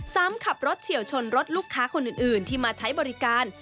ขับรถเฉียวชนรถลูกค้าคนอื่นที่มาใช้บริการ